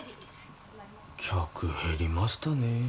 客減りましたね